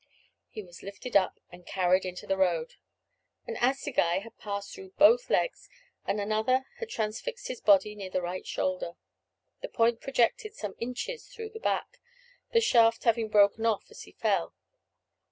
He was lifted up and carried into the road. An assegai had passed through both legs, and another had transfixed his body near the right shoulder. The point projected some inches through the back, the shaft having broken off as he fell.